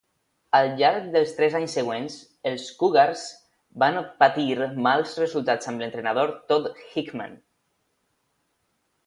Al llarg dels tres anys següents, els Cougars van patir mals resultats amb l'entrenador Todd Hickman.